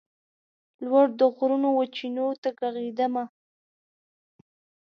لوړ د غرونو وچېنو ته ږغېدمه